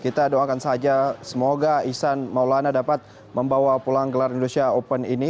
kita doakan saja semoga ihsan maulana dapat membawa pulang gelar indonesia open ini